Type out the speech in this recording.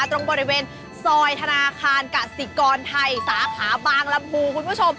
ตรงบริเวณซอยธนาคารกสิกรไทยสาขาบางลำพูคุณผู้ชม